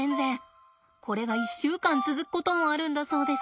これが１週間続くこともあるんだそうです。